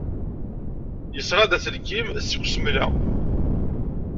Yesɣa-d aselkim seg usmel-a.